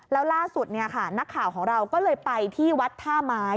แล้วล่าสุดนักข่าวของเราก็เลยไปที่วัดท่าไม้